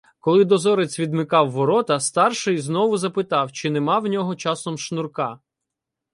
Коли дозорець відмикав ворота, старший знову запитав, чи нема в нього часом шнурка.